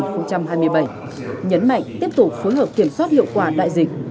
nhấn mạnh tiếp tục phối hợp kiểm soát hiệu quả đại dịch